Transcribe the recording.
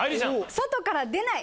「外から出ない」？